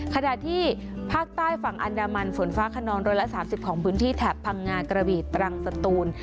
ขณะที่ภาคใต้ฝั่งอันดามันฝนฟ้าขนอง๑๓๐ของพื้นที่แถบพังงากระบีตรังสตูน